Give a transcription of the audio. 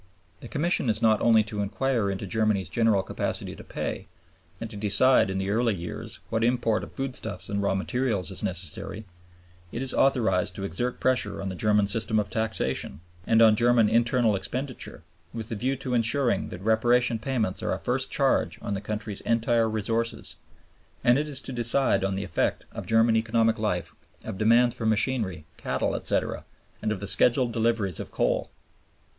The Commission is not only to inquire into Germany's general capacity to pay, and to decide (in the early years) what import of foodstuffs and raw materials is necessary; it is authorized to exert pressure on the German system of taxation (Annex II. para. 12(b)) and on German internal expenditure, with a view to insuring that Reparation payments are a first charge on the country's entire resources; and it is to decide on the effect on German economic life of demands for machinery, cattle, etc., and of the scheduled deliveries of coal.